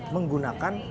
menggunakan sayur kol